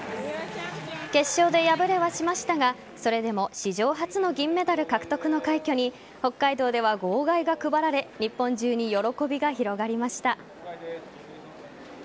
決勝で敗れはしましたがそれでも史上初の銀メダル獲得の快挙に北海道では号外が配られ日本中に喜びが広がりました。